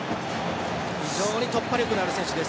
非常に突破力のある選手です。